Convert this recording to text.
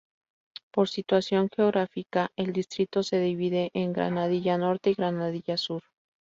Por su situación geográfica, el distrito se divide en Granadilla Norte y Granadilla Sur.